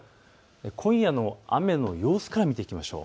今夜の雨の様子から見ていきましょう。